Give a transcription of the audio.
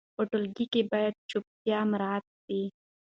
په ټولګي کې باید چوپتیا مراعت سي.